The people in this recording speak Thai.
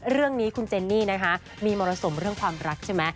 เรื่องนี้คุณเจนนี่นะคะมีมรสุมเรื่องความรักใช่ไหม